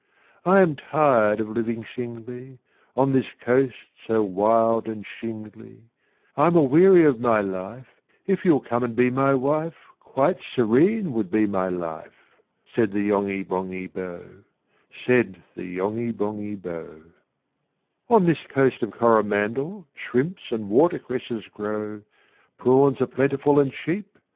"I am tired of living singly, "On this coast so wild and shingly, "I'm a weary of my life; "If you'll come and be my wife, "Quite serene would be my life!" Said the Yonghy Bonghy Bò, Said the Yonghy Bonghy Bò. IV. "On this Coast of Coromandel, "Shrimps and watercresses grow, "Prawns are plentiful and cheap."